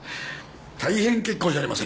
大変結構じゃありませんか。